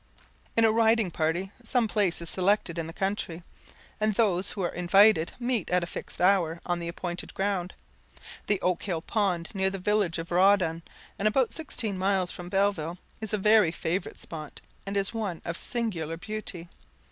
In a riding party, some place is selected in the country, and those who are invited meet at a fixed hour on the appointed ground. The Oakhill pond, near the village of Rawdon, and about sixteen miles from Belleville, is a very favourite spot, and is one of singular beauty.